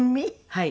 はい。